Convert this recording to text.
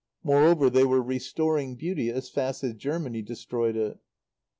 Moreover they were restoring Beauty as fast as Germany destroyed it.